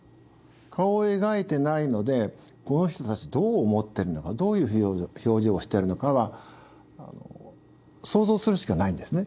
顔を描いてないのでこの人たちどう思ってるのかどういう表情をしてるのかは想像するしかないんですね。